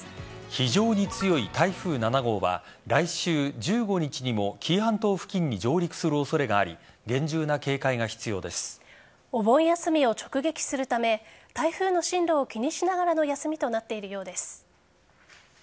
非常に強い台風７号は来週１５日にも紀伊半島付近に上陸する恐れがありお盆休みを直撃するため台風の進路を気にしながらの休みとなっているようです。